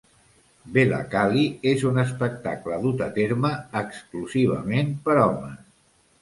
Velakali és un espectacle dut a terme exclusivament per homes.